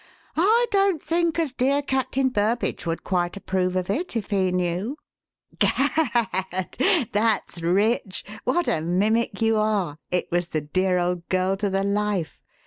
I don't think as dear Captain Burbage would quite approve of it if he knew.'" "Gad! that's rich. What a mimic you are. It was the dear old girl to the life.